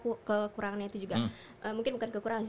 mungkin bukan kekurangannya itu juga mungkin bukan kekurangan sih